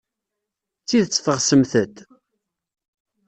D tidet teɣsemt-t?